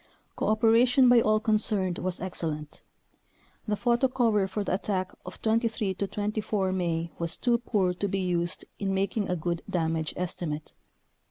Cooperation by all concerned was excellent. The photo cover for the attack of 23 24 May was too poor to be used in making a good damage estimate.